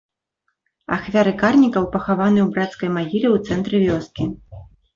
Ахвяры карнікаў пахаваны ў брацкай магіле ў цэнтры вёскі.